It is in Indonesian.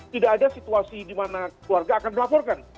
tidak ada situasi di mana keluarga akan melaporkan